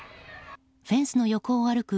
フェンスの横を歩く